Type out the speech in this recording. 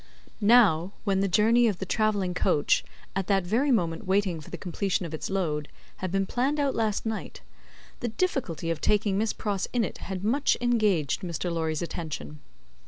Now, when the journey of the travelling coach, at that very moment waiting for the completion of its load, had been planned out last night, the difficulty of taking Miss Pross in it had much engaged Mr. Lorry's attention.